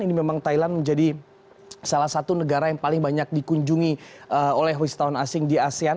ini memang thailand menjadi salah satu negara yang paling banyak dikunjungi oleh wisatawan asing di asean